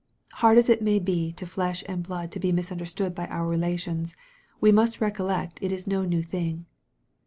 Hard as it may be to flesh and blood to be misunderstood by our relations, we must recollect it is no new thing.